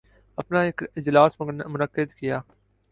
اپنا ایک اجلاس منعقد کیا